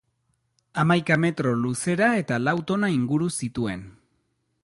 Hamaika metro luzera eta lau tona inguru zituen.